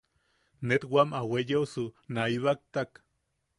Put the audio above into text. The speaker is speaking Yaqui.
Net wam a weyeosu na ibaktak: